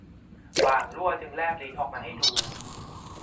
บ่างลั่วจึงแลบลิ้นออกมาให้ดู